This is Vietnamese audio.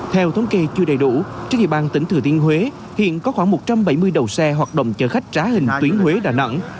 theo thống kê chưa đầy đủ trên địa bàn tỉnh thừa thiên huế hiện có khoảng một trăm bảy mươi đầu xe hoạt động chở khách trá hình tuyến huế đà nẵng